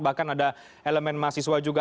bahkan ada elemen mahasiswa juga